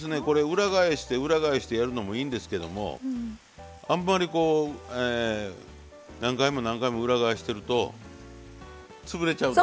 裏返して裏返してやるのもいいんですけどもあんまりこう何回も何回も裏返してるとつぶれちゃう。